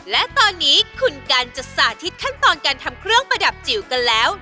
และตอนนี้คุณกันจะสาธิตขั้นตอนการทำเครื่องประดับจิ๋วกันแล้ว